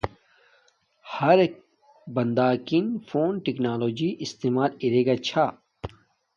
ہر ایک بنداکن فون ٹکنالوجی استعمال ارے چھاہ